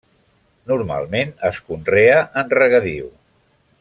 Normalment es conrea en regadiu.